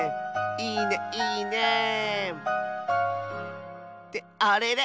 いいねいいね。ってあれれ？